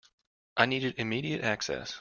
I needed immediate access.